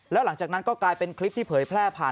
แล้วหลังจากนั้นก็กลายเป็นคลิปที่เผยแพร่ผ่าน